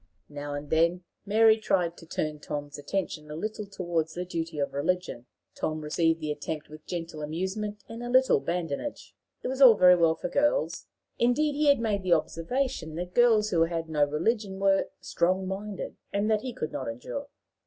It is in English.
Now and then Mary tried to turn Tom's attention a little toward the duty of religion: Tom received the attempt with gentle amusement and a little badinage. It was all very well for girls! Indeed, he had made the observation that girls who had no religion were "strong minded," and that he could not endure!